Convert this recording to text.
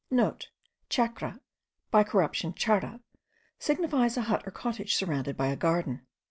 (* Chacra, by corruption chara, signifies a hut or cottage surrounded by a garden.